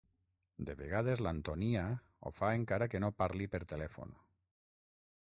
De vegades l'Antonia ho fa encara que no parli per telèfon.